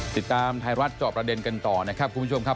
ติดตามไทยรัฐจอบประเด็นกันต่อนะครับคุณผู้ชมครับ